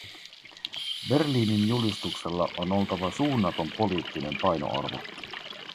Berliinin julistuksella on oltava suunnaton poliittinen painoarvo.